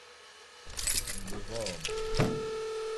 Mdi gho-oma